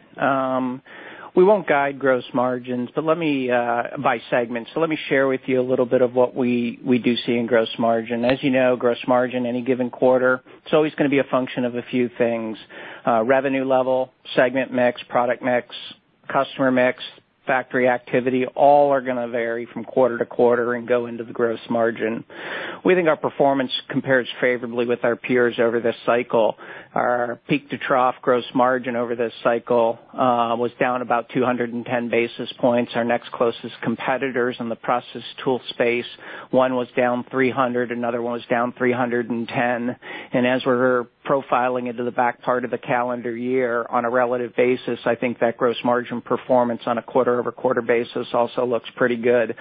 We won't guide gross margins by segment, so let me share with you a little bit of what we do see in gross margin. As you know, gross margin, any given quarter, it's always going to be a function of a few things. Revenue level, segment mix, product mix, customer mix, factory activity, all are going to vary from quarter to quarter and go into the gross margin. We think our performance compares favorably with our peers over this cycle. Our peak to trough gross margin over this cycle, was down about 210 basis points. Our next closest competitors in the process tool space, one was down 300, another one was down 310, and as we're profiling into the back part of the calendar year on a relative basis, I think that gross margin performance on a quarter-over-quarter basis also looks pretty good.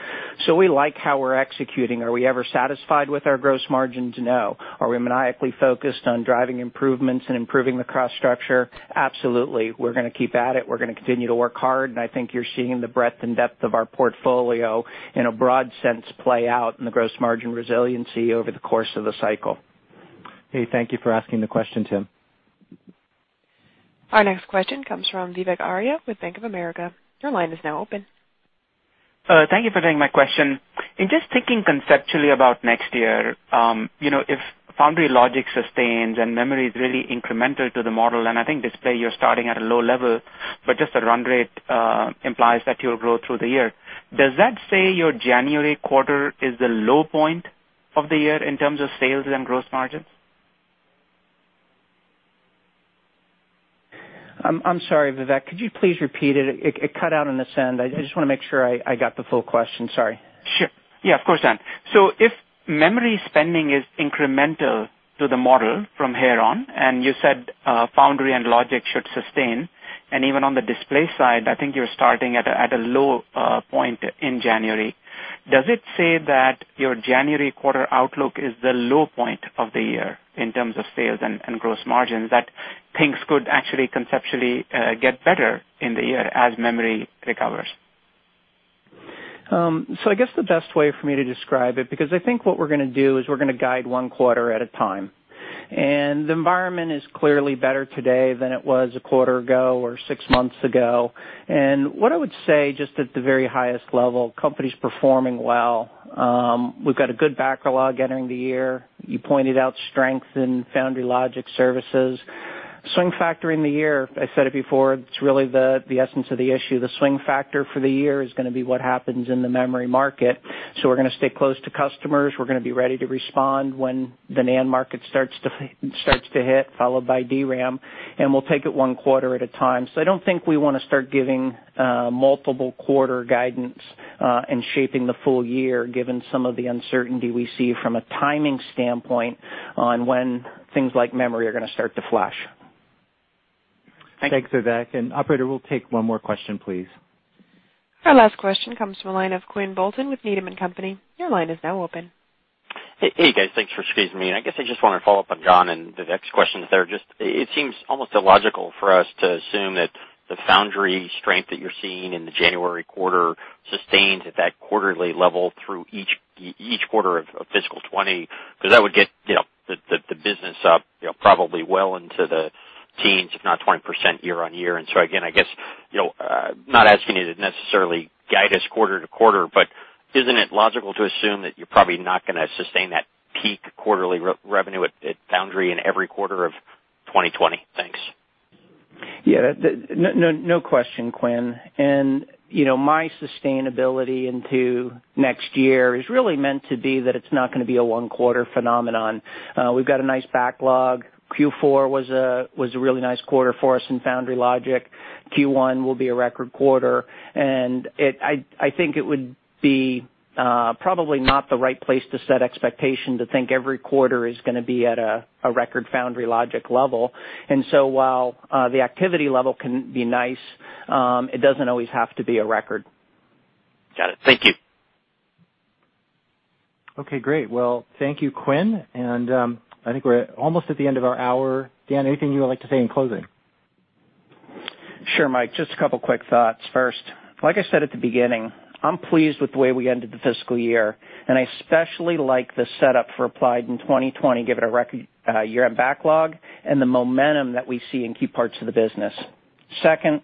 We like how we're executing. Are we ever satisfied with our gross margins? No. Are we maniacally focused on driving improvements and improving the cost structure? Absolutely. We're going to keep at it. We're going to continue to work hard, and I think you're seeing the breadth and depth of our portfolio in a broad sense play out in the gross margin resiliency over the course of the cycle. Hey, thank you for asking the question, Tim. Our next question comes from Vivek Arya with Bank of America. Your line is now open. Thank you for taking my question. In just thinking conceptually about next year, if Foundry logic sustains and memory is really incremental to the model, I think display, you're starting at a low level, but just the run rate implies that you'll grow through the year. Does that say your January quarter is the low point of the year in terms of sales and gross margins? I'm sorry, Vivek, could you please repeat it? It cut out on this end. I just want to make sure I got the full question. Sorry. Sure. Yeah, of course, Dan. If memory spending is incremental to the model from here on, and you said Foundry and logic should sustain, and even on the display side, I think you're starting at a low point in January. Does it say that your January quarter outlook is the low point of the year in terms of sales and gross margins, that things could actually conceptually get better in the year as memory recovers? I guess the best way for me to describe it, because I think what we're going to do is we're going to guide one quarter at a time, and the environment is clearly better today than it was a quarter ago or six months ago. What I would say, just at the very highest level, company's performing well. We've got a good backlog entering the year. You pointed out strength in Foundry logic services. Swing factor in the year, I said it before, it's really the essence of the issue. The swing factor for the year is going to be what happens in the memory market. We're going to stay close to customers. We're going to be ready to respond when the NAND market starts to hit, followed by DRAM. We'll take it one quarter at a time. I don't think we want to start giving multiple quarter guidance and shaping the full year, given some of the uncertainty we see from a timing standpoint on when things like memory are going to start to flush. Thanks, Vivek. Operator, we'll take one more question, please. Our last question comes from the line of Quinn Bolton with Needham & Company. Your line is now open. Hey, guys. Thanks for squeezing me in. I guess I just want to follow up on John and Vivek's questions there. It seems almost illogical for us to assume that the foundry strength that you're seeing in the January quarter sustains at that quarterly level through each quarter of fiscal 2020, because that would get the business up probably well into the teens, if not 20% year-on-year. Again, I guess, not asking you to necessarily guide us quarter-to-quarter, but isn't it logical to assume that you're probably not going to sustain that peak quarterly revenue at foundry in every quarter of 2020? Thanks. Yeah. No question, Quinn. My sustainability into next year is really meant to be that it's not going to be a one-quarter phenomenon. We've got a nice backlog. Q4 was a really nice quarter for us in foundry logic. Q1 will be a record quarter, and I think it would be probably not the right place to set expectation to think every quarter is going to be at a record foundry logic level. While the activity level can be nice, it doesn't always have to be a record. Got it. Thank you. Okay, great. Well, thank you, Quinn, and I think we're almost at the end of our hour. Dan, anything you would like to say in closing? Sure, Mike. Just a couple quick thoughts. First, like I said at the beginning, I'm pleased with the way we ended the fiscal year, and I especially like the setup for Applied in 2020, given our record year-end backlog and the momentum that we see in key parts of the business. Second,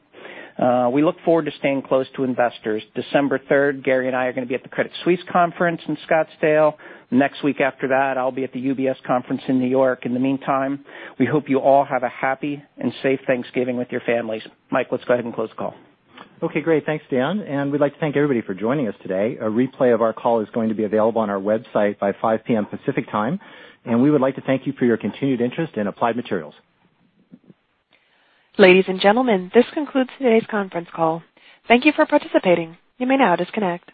we look forward to staying close to investors. December 3rd, Gary and I are going to be at the Credit Suisse conference in Scottsdale. Next week after that, I'll be at the UBS conference in New York. In the meantime, we hope you all have a happy and safe Thanksgiving with your families. Mike, let's go ahead and close the call. Okay, great. Thanks, Dan, and we'd like to thank everybody for joining us today. A replay of our call is going to be available on our website by 5:00 P.M. Pacific Time. We would like to thank you for your continued interest in Applied Materials. Ladies and gentlemen, this concludes today's conference call. Thank you for participating. You may now disconnect.